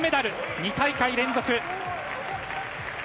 ２大会連続。